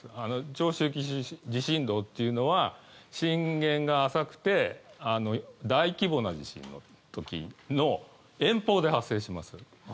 長周期地震動っていうのは震源が浅くて大規模な地震の時の遠方で発生します。